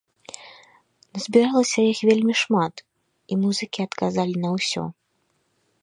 Назбіралася іх вельмі шмат, і музыкі адказалі на ўсё.